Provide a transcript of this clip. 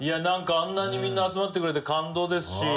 あんなにみんな集まってくれて感動ですし。